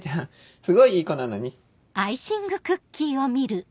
すごいいい子なのに。